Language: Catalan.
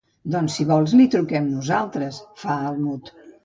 Doncs si vols, li truquem nosaltres —fa el Mud.